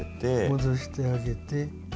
戻してあげて。